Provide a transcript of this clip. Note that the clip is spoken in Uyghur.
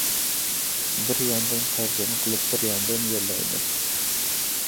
بىر ياندىن تەرجىمە قىلىپ بىر ياندىن يوللايمەن.